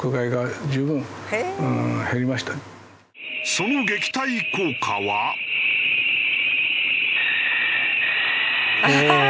その撃退効果は。おおー！